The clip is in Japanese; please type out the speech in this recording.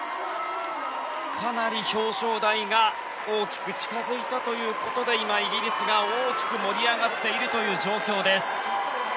かなり表彰台が大きく近づいたということで今、イギリスが大きく盛り上がっている状況です。